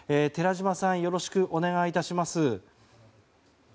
寺島さんよろしくお願い致します。